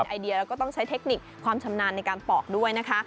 ไอเดียแล้วก็ต้องใช้เทคนิคความชำนาญในการปอกด้วยนะคะ